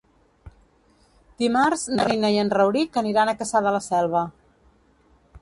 Dimarts na Nina i en Rauric aniran a Cassà de la Selva.